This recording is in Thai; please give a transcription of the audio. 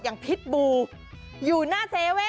อย่างพิษบูอยู่หน้า๗